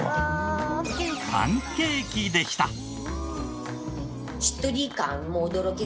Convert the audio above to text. パンケーキでした。